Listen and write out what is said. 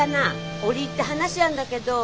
折り入って話あるんだけど。